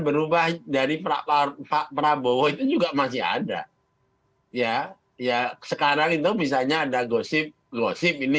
berubah dari pak prabowo itu juga masih ada ya ya sekarang itu misalnya ada gosip gosip ini